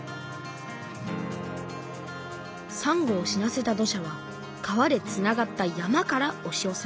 さんごを死なせた土砂は川でつながった山からおしよせました。